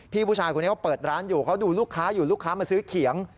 ผู้ชายคนนี้เขาเปิดร้านอยู่เขาดูลูกค้าอยู่ลูกค้ามาซื้อเขียง